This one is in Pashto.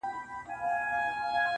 مخ که مي کعبې- که بتخاتې ته اړولی دی-